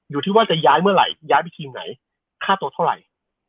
อยู่ที่ว่าจะย้ายเมื่อไหร่ย้ายไปทีมไหนค่าตัวเท่าไหร่